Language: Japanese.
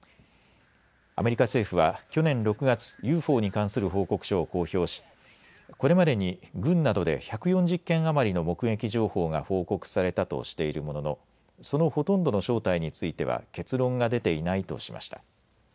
アメリカ政府は去年６月ＵＦＯに関する報告書を公表しこれまでに軍などで１４０件余りの目撃情報が報告されたとしているもののそのほとんどの正体については結論が出ていないとしました。